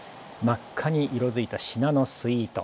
真っ赤に色づいたシナノスイート。